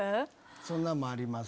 そんなんもあります。